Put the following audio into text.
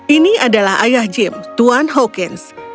ini adalah ayah jim tuan hawkins